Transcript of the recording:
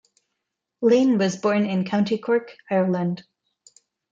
Lane was born in County Cork, Ireland.